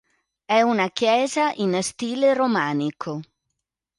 È una chiesa in stile romanico.